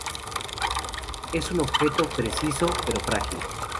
Es un objeto precioso pero frágil".